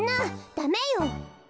ダメよ。